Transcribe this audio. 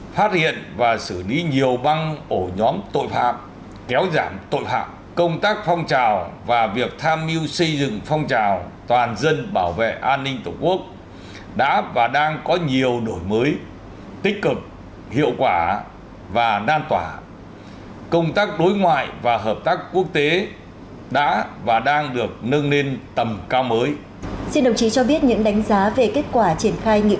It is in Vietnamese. phát hiện và sử dụng đồng bộ các biện pháp phòng ngừa nghiệp vụ trong công tác phòng chống tội phạm